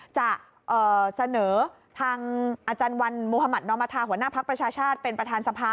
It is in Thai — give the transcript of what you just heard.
จะเสนอทางอาจารย์วันมมนหัวหน้าพลักษณ์ประชาชาติเป็นประธานสภา